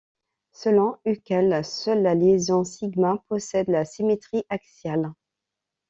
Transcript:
Selon Hückel, seule la liaison sigma possède la symétrie axiale.